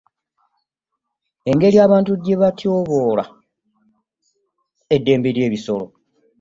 Engeri abantu gye batyoboola eddembe ly'ebisolo.